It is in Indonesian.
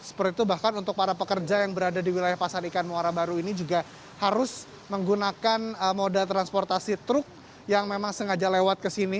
seperti itu bahkan untuk para pekerja yang berada di wilayah pasar ikan muara baru ini juga harus menggunakan moda transportasi truk yang memang sengaja lewat kesini